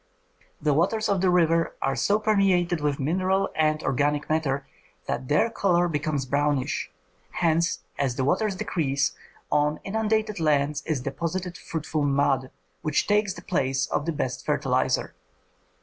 The waters of the river are so permeated with mineral and organic matter that their color becomes brownish; hence, as the waters decrease, on inundated lands is deposited fruitful mud which takes the place of the best fertilizer.